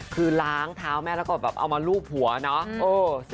คือล้างเท้าแม่สักตาแย่แล้วก็เอามาลูบหัวเนาะ